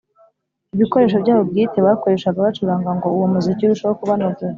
ibikoresho byabo bwite bakoreshaga bacuranga ngo uwo muziki urusheho kubanogera.